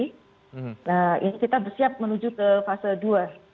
nah ini kita bersiap menuju ke fase dua